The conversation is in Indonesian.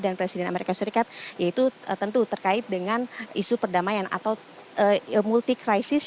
dan presiden amerika serikat yaitu tentu terkait dengan isu perdamaian atau multi krisis